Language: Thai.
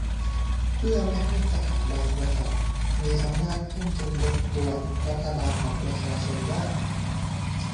เพื่อไม่ให้สถาบันกษัตริย์มีอำนาจเพิ่มจนรบกวนรัฐบาลของประชาชนได้